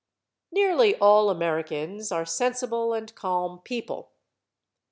Nearly all Americans are sensible and calm people.